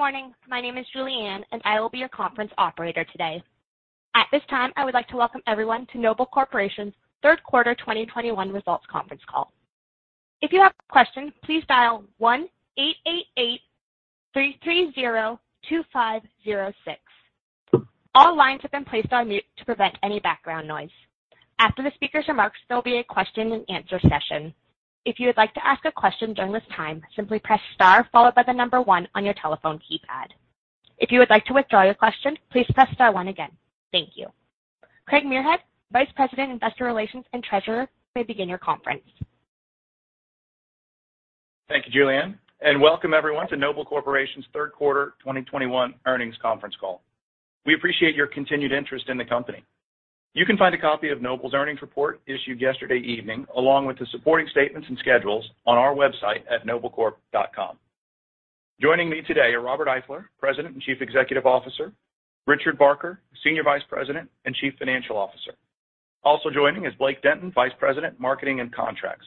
Good morning. My name is Julianne, and I will be your conference operator today. At this time, I would like to welcome everyone to Noble Corporation Third Quarter 2021 Results Conference Call. If you have questions, please dial 1-888-330-2506. All lines have been placed on mute to prevent any background noise. After the speaker's remarks, there'll be a question and answer session. If you would like to ask a question during this time, simply press Star followed by one on your telephone keypad. If you would like to withdraw your question, please press Star one again. Thank you. Craig Muirhead, Vice President, Investor Relations and Treasurer, you may begin your conference. Thank you, Julianne, and welcome everyone to Noble Corporation's third quarter 2021 earnings conference call. We appreciate your continued interest in the company. You can find a copy of Noble's earnings report issued yesterday evening, along with the supporting statements and schedules on our website at noblecorp.com. Joining me today are Robert Eifler, President and Chief Executive Officer, Richard Barker, Senior Vice President and Chief Financial Officer. Also joining is Blake Denton, Vice President, Marketing and Contracts.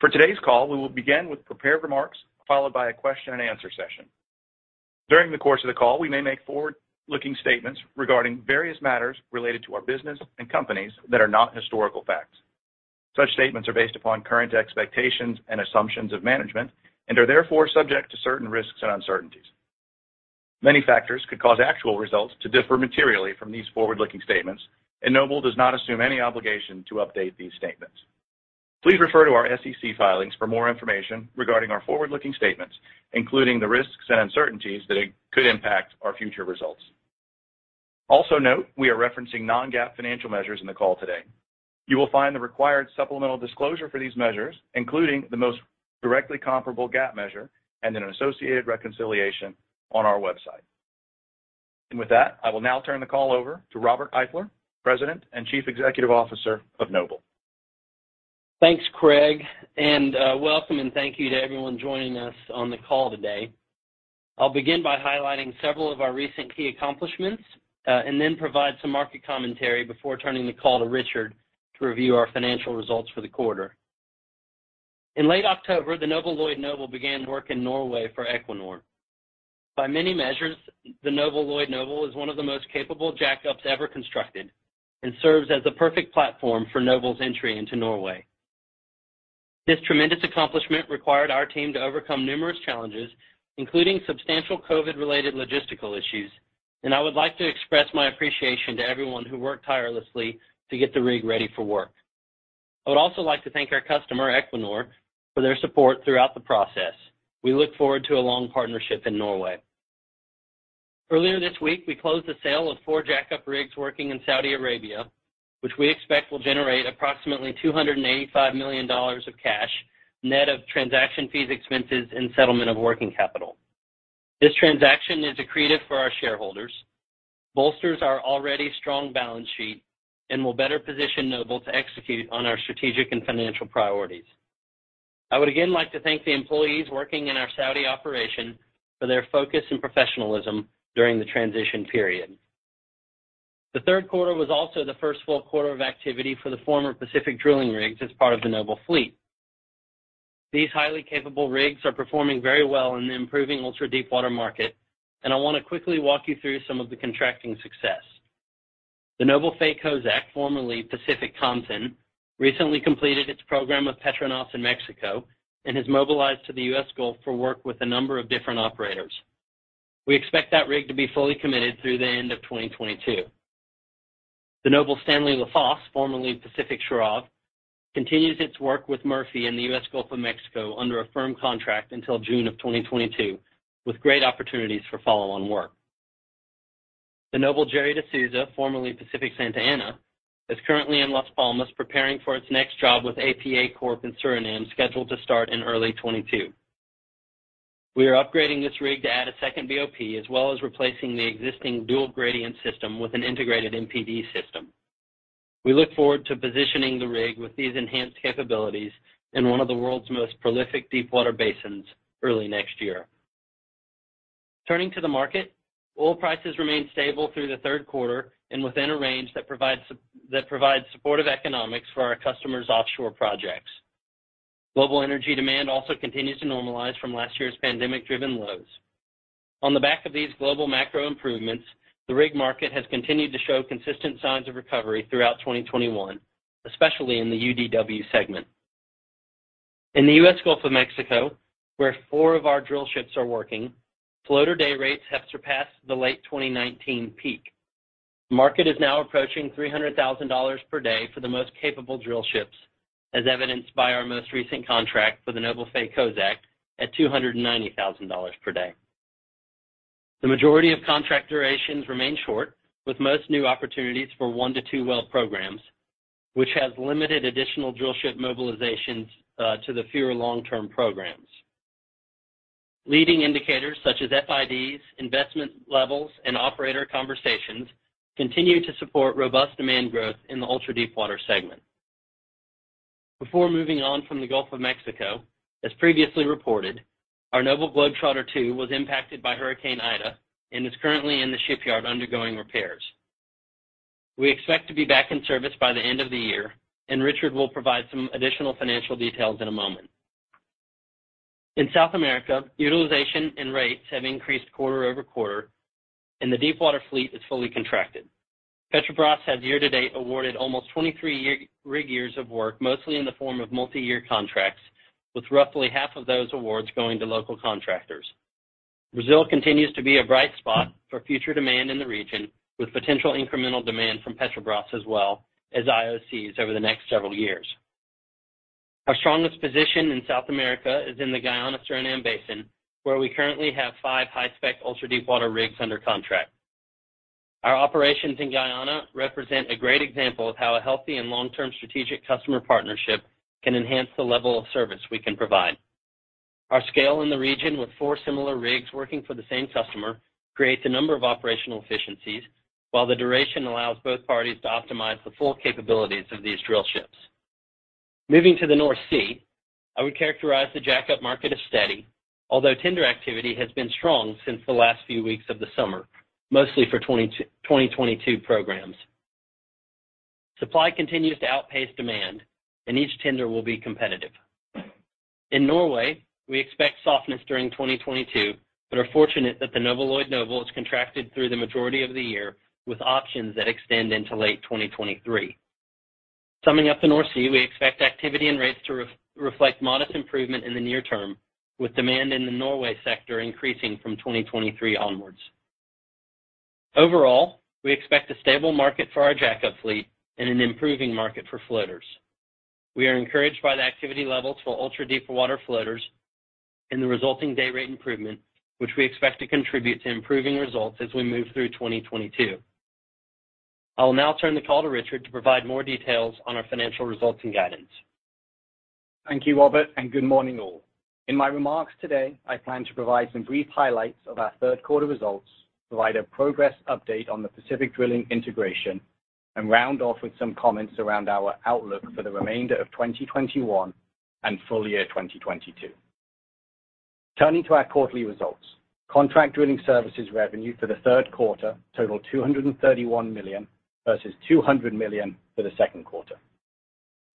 For today's call, we will begin with prepared remarks, followed by a question-and-answer session. During the course of the call, we may make forward-looking statements regarding various matters related to our business and companies that are not historical facts. Such statements are based upon current expectations and assumptions of management and are therefore subject to certain risks and uncertainties. Many factors could cause actual results to differ materially from these forward-looking statements, and Noble does not assume any obligation to update these statements. Please refer to our SEC filings for more information regarding our forward-looking statements, including the risks and uncertainties that could impact our future results. Also note, we are referencing non-GAAP financial measures in the call today. You will find the required supplemental disclosure for these measures, including the most directly comparable GAAP measure and an associated reconciliation on our website. With that, I will now turn the call over to Robert Eifler, President and Chief Executive Officer of Noble. Thanks, Craig, and welcome and thank you to everyone joining us on the call today. I'll begin by highlighting several of our recent key accomplishments, and then provide some market commentary before turning the call to Richard to review our financial results for the quarter. In late October, the Noble Lloyd Noble began work in Norway for Equinor. By many measures, the Noble Lloyd Noble is one of the most capable jack-ups ever constructed and serves as the perfect platform for Noble's entry into Norway. This tremendous accomplishment required our team to overcome numerous challenges, including substantial COVID-related logistical issues, and I would like to express my appreciation to everyone who worked tirelessly to get the rig ready for work. I would also like to thank our customer, Equinor, for their support throughout the process. We look forward to a long partnership in Norway. Earlier this week, we closed the sale of four jackup rigs working in Saudi Arabia, which we expect will generate approximately $285 million of cash, net of transaction fees, expenses, and settlement of working capital. This transaction is accretive for our shareholders, bolsters our already strong balance sheet, and will better position Noble to execute on our strategic and financial priorities. I would again like to thank the employees working in our Saudi operation for their focus and professionalism during the transition period. The third quarter was also the first full quarter of activity for the former Pacific Drilling rigs as part of the Noble fleet. These highly capable rigs are performing very well in the improving ultra-deepwater market, and I wanna quickly walk you through some of the contracting success. The Noble Faye Kozack, formerly Pacific Khamsin, recently completed its program with Petronas in Mexico and has mobilized to the U.S. Gulf for work with a number of different operators. We expect that rig to be fully committed through the end of 2022. The Noble Stanley Lafosse, formerly Pacific Sharav, continues its work with Murphy in the U.S. Gulf of Mexico under a firm contract until June 2022, with great opportunities for follow-on work. The Noble Gerry de Souza, formerly Pacific Santa Ana, is currently in Las Palmas preparing for its next job with APA Corp in Suriname, scheduled to start in early 2022. We are upgrading this rig to add a second BOP as well as replacing the existing dual gradient system with an integrated MPD system. We look forward to positioning the rig with these enhanced capabilities in one of the world's most prolific deepwater basins early next year. Turning to the market, oil prices remained stable through the third quarter and within a range that provides supportive economics for our customers' offshore projects. Global energy demand also continues to normalize from last year's pandemic-driven lows. On the back of these global macro improvements, the rig market has continued to show consistent signs of recovery throughout 2021, especially in the UDW segment. In the U.S. Gulf of Mexico, where four of our drillships are working, floater day rates have surpassed the late 2019 peak. The market is now approaching $300,000 per day for the most capable drillships, as evidenced by our most recent contract for the Noble Faye Kozack at $290,000 per day. The majority of contract durations remain short, with most new opportunities for one-two well programs, which has limited additional drill ship mobilizations to the fewer long-term programs. Leading indicators such as FIDs, investment levels, and operator conversations continue to support robust demand growth in the ultra-deepwater segment. Before moving on from the Gulf of Mexico, as previously reported, our Noble Globetrotter II was impacted by Hurricane Ida and is currently in the shipyard undergoing repairs. We expect to be back in service by the end of the year, and Richard will provide some additional financial details in a moment. In South America, utilization and rates have increased QoQ, and the deepwater fleet is fully contracted. Petrobras has year-to-date awarded almost 23 rig-years of work, mostly in the form of multiyear contracts, with roughly half of those awards going to local contractors. Brazil continues to be a bright spot for future demand in the region, with potential incremental demand from Petrobras as well as IOCs over the next several years. Our strongest position in South America is in the Guyana-Suriname Basin, where we currently have five high-spec ultra-deepwater rigs under contract. Our operations in Guyana represent a great example of how a healthy and long-term strategic customer partnership can enhance the level of service we can provide. Our scale in the region with four similar rigs working for the same customer creates a number of operational efficiencies, while the duration allows both parties to optimize the full capabilities of these drillships. Moving to the North Sea, I would characterize the jack-up market as steady, although tender activity has been strong since the last few weeks of the summer, mostly for 2022 programs. Supply continues to outpace demand, and each tender will be competitive. In Norway, we expect softness during 2022 but are fortunate that the Noble Lloyd Noble is contracted through the majority of the year, with options that extend into late 2023. Summing up the North Sea, we expect activity and rates to reflect modest improvement in the near term, with demand in the Norway sector increasing from 2023 onwards. Overall, we expect a stable market for our jack-up fleet and an improving market for floaters. We are encouraged by the activity levels for ultra-deepwater floaters and the resulting day rate improvement, which we expect to contribute to improving results as we move through 2022. I will now turn the call to Richard to provide more details on our financial results and guidance. Thank you, Robert, and good morning, all. In my remarks today, I plan to provide some brief highlights of our third quarter results, provide a progress update on the Pacific Drilling integration, and round off with some comments around our outlook for the remainder of 2021 and full year 2022. Turning to our quarterly results. Contract drilling services revenue for the third quarter totaled $231 million versus $200 million for the second quarter.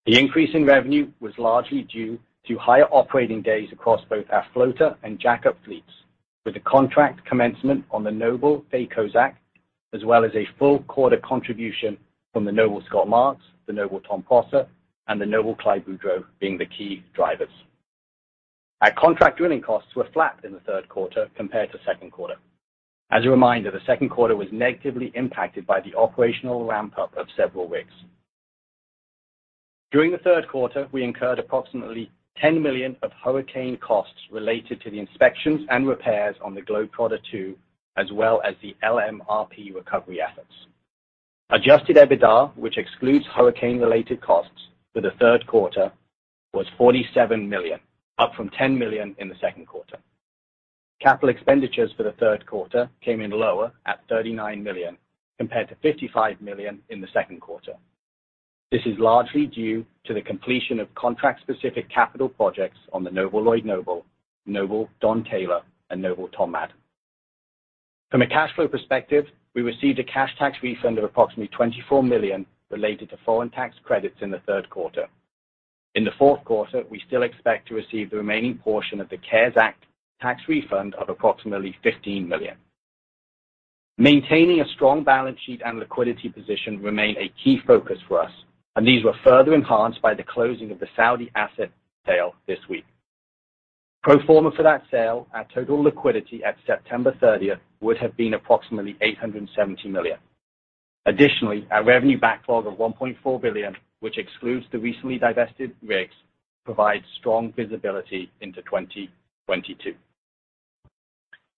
The increase in revenue was largely due to higher operating days across both our floater and jack-up fleets, with the contract commencement on the Noble Faye Kozack, as well as a full quarter contribution from the Noble Scott Marks, the Noble Tom Prosser, and the Noble Clyde Boudreaux being the key drivers. Our contract drilling costs were flat in the third quarter compared to second quarter. As a reminder, the second quarter was negatively impacted by the operational ramp-up of several rigs. During the third quarter, we incurred approximately $10 million of hurricane costs related to the inspections and repairs on the Globetrotter II, as well as the LMRP recovery efforts. Adjusted EBITDA, which excludes hurricane-related costs for the third quarter, was $47 million, up from $10 million in the second quarter. Capital expenditures for the third quarter came in lower at $39 million, compared to $55 million in the second quarter. This is largely due to the completion of contract-specific capital projects on the Noble Lloyd Noble, Don Taylor, and Noble Tom Madden. From a cash flow perspective, we received a cash tax refund of approximately $24 million related to foreign tax credits in the third quarter. In the fourth quarter, we still expect to receive the remaining portion of the CARES Act tax refund of approximately $15 million. Maintaining a strong balance sheet and liquidity position remain a key focus for us, and these were further enhanced by the closing of the Saudi asset sale this week. Pro forma for that sale, our total liquidity at September 30th would have been approximately $870 million. Additionally, our revenue backlog of $1.4 billion, which excludes the recently divested rigs, provides strong visibility into 2022.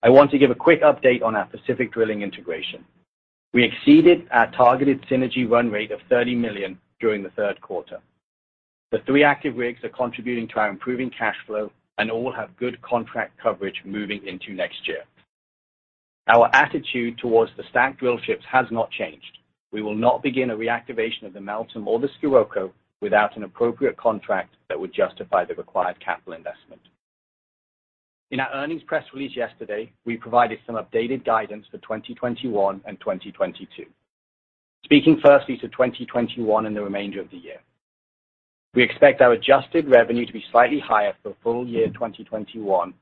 I want to give a quick update on our Pacific Drilling integration. We exceeded our targeted synergy run rate of $30 million during the third quarter. The three active rigs are contributing to our improving cash flow, and all have good contract coverage moving into next year. Our attitude towards the stacked drill ships has not changed. We will not begin a reactivation of the Meltem or the Scirocco without an appropriate contract that would justify the required capital investment. In our earnings press release yesterday, we provided some updated guidance for 2021 and 2022. Speaking firstly to 2021 and the remainder of the year. We expect our adjusted revenue to be slightly higher for full year 2021,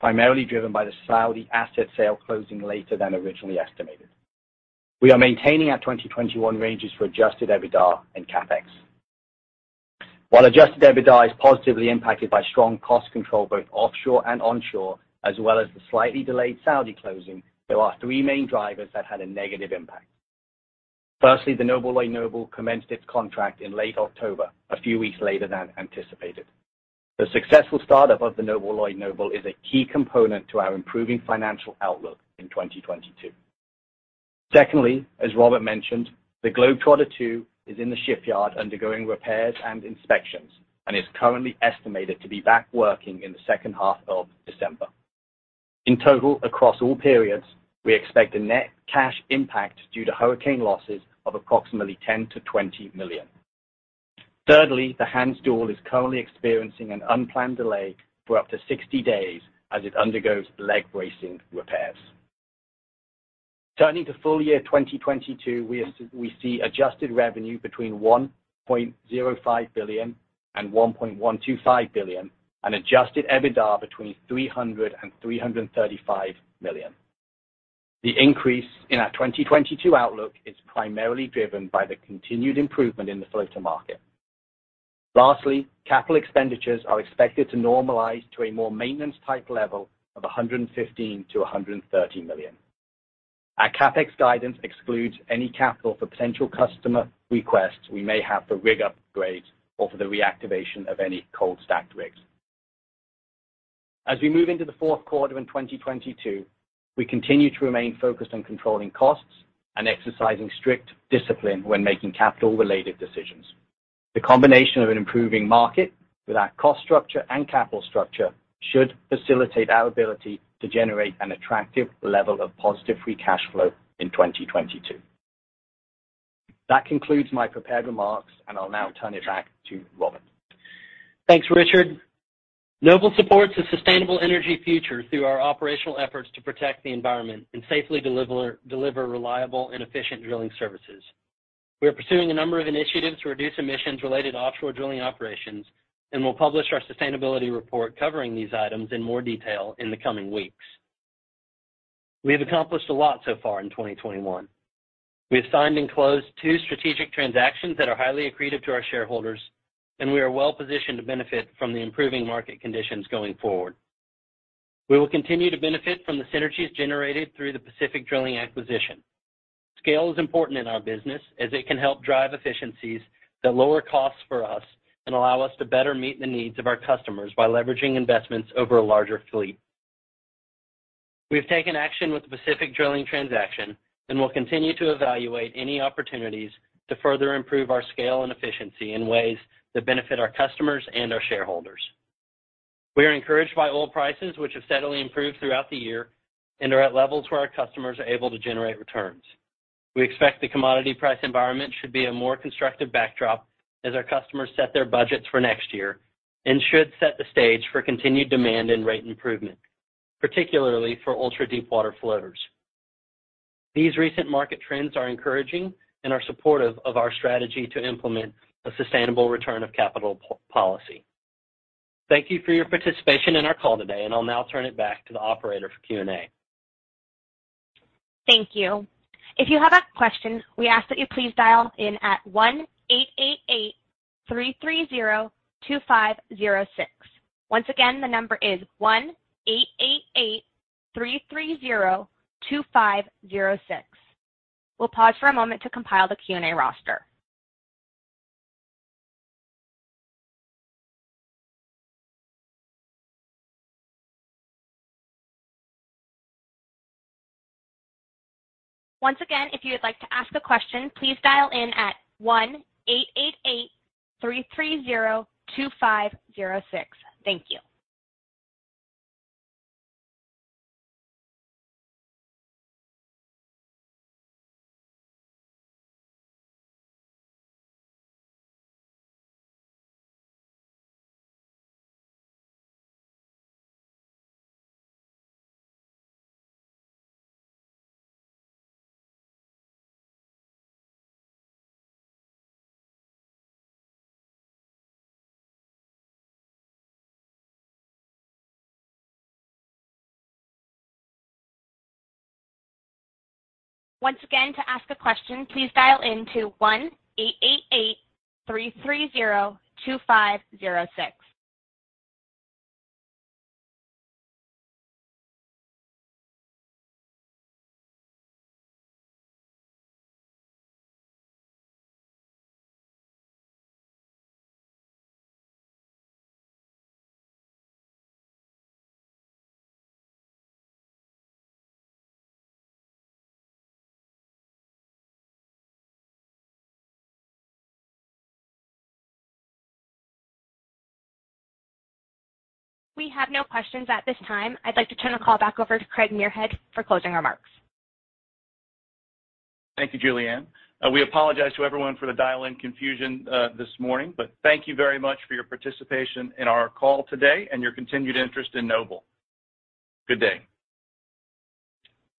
primarily driven by the Saudi asset sale closing later than originally estimated. We are maintaining our 2021 ranges for adjusted EBITDA and CapEx. While adjusted EBITDA is positively impacted by strong cost control both offshore and onshore, as well as the slightly delayed Saudi closing, there are three main drivers that had a negative impact. Firstly, the Noble Lloyd Noble commenced its contract in late October, a few weeks later than anticipated. The successful start-up of the Noble Lloyd Noble is a key component to our improving financial outlook in 2022. Secondly, as Robert mentioned, the Noble Globetrotter II is in the shipyard undergoing repairs and inspections and is currently estimated to be back working in the second half of December. In total, across all periods, we expect a net cash impact due to hurricane losses of approximately $10 million-$20 million. Thirdly, the Noble Hans Deul is currently experiencing an unplanned delay for up to 60 days as it undergoes leg bracing repairs. Turning to full year 2022, we see adjusted revenue between $1.05 billion and $1.125 billion, and adjusted EBITDA between $300 million and $335 million. The increase in our 2022 outlook is primarily driven by the continued improvement in the floater market. Lastly, capital expenditures are expected to normalize to a more maintenance-type level of $115 million-$130 million. Our CapEx guidance excludes any capital for potential customer requests we may have for rig upgrades or for the reactivation of any cold-stacked rigs. As we move into the fourth quarter in 2022, we continue to remain focused on controlling costs and exercising strict discipline when making capital-related decisions. The combination of an improving market with our cost structure and capital structure should facilitate our ability to generate an attractive level of positive free cash flow in 2022. That concludes my prepared remarks, and I'll now turn it back to Robert. Thanks, Richard. Noble supports a sustainable energy future through our operational efforts to protect the environment and safely deliver reliable and efficient drilling services. We are pursuing a number of initiatives to reduce emissions-related offshore drilling operations, and we'll publish our sustainability report covering these items in more detail in the coming weeks. We have accomplished a lot so far in 2021. We have signed and closed two strategic transactions that are highly accretive to our shareholders, and we are well-positioned to benefit from the improving market conditions going forward. We will continue to benefit from the synergies generated through the Pacific Drilling acquisition. Scale is important in our business as it can help drive efficiencies that lower costs for us and allow us to better meet the needs of our customers by leveraging investments over a larger fleet. We have taken action with the Pacific Drilling transaction and will continue to evaluate any opportunities to further improve our scale and efficiency in ways that benefit our customers and our shareholders. We are encouraged by oil prices, which have steadily improved throughout the year and are at levels where our customers are able to generate returns. We expect the commodity price environment should be a more constructive backdrop as our customers set their budgets for next year and should set the stage for continued demand and rate improvement, particularly for ultra-deepwater floaters. These recent market trends are encouraging and are supportive of our strategy to implement a sustainable return of capital policy. Thank you for your participation in our call today, and I'll now turn it back to the operator for Q&A. Thank you. If you have a question, we ask that you please dial in at 1-888-330-2506. Once again, the number is 1-888-330-2506. We'll pause for a moment to compile the Q&A roster. Once again, if you would like to ask a question, please dial in at 1-888-330-2506. Thank you. Once again, to ask a question, please dial in to 1-888-330-2506. We have no questions at this time. I'd like to turn the call back over to Craig Muirhead for closing remarks. Thank you, Julianne. We apologize to everyone for the dial-in confusion this morning, but thank you very much for your participation in our call today and your continued interest in Noble. Good day.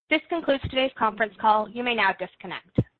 This concludes today's conference call. You may now disconnect.